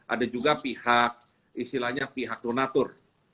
ada juga pihak istilahnya pihak donatur